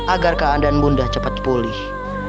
agar keadaan bunda cepat pulih